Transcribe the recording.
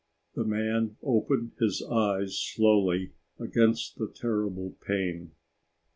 The man opened his eyes slowly against the terrible pain.